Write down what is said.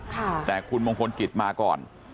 แต่คุณมงคลกิจมาก่อน